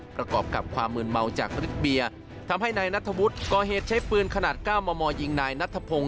ประกอบกับความมืนเมาจากฤทธเบียร์ทำให้นายนัทธวุฒิก่อเหตุใช้ปืนขนาด๙มมยิงนายนัทพงศ